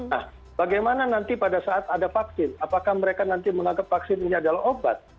nah bagaimana nanti pada saat ada vaksin apakah mereka nanti menganggap vaksin ini adalah obat